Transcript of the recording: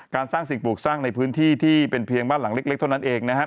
สร้างสิ่งปลูกสร้างในพื้นที่ที่เป็นเพียงบ้านหลังเล็กเท่านั้นเองนะครับ